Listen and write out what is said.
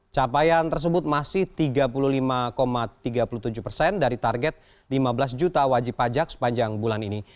capaian tersebut masih tiga puluh lima tiga puluh tujuh persen dari target lima belas juta wajib pajak sepanjang bulan ini